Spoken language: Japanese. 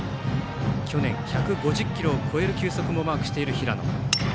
去年１５０キロを超える球速をマークしている平野。